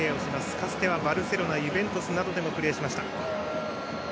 かつてはバルセロナユベントスでもプレーしました。